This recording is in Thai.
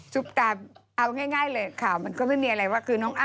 ตามเอาง่ายเลยข่าวมันก็ไม่มีอะไรว่าคือน้องอ้